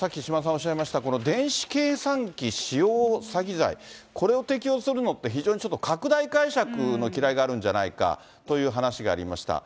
おっしゃいました、この電子計算機使用詐欺罪、これを適用するのって、非常にちょっと拡大解釈のきらいがあるんじゃないかという話がありました。